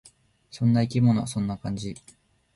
そんな生き物。そんな感じ。